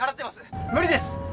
無理です！